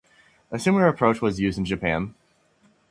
A similar approach was used in Japan.